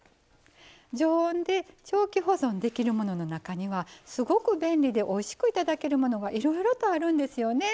常温で長期保存できるものの中にはすごく便利でおいしくいただけるものがいろいろとあるんですよね。